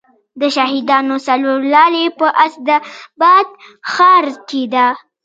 د شهیدانو څلور لارې په اسداباد ښار کې ده